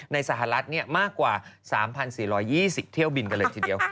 ในสหรัฐมากกว่า๓๔๒๐เที่ยวบินกันเลยทีเดียว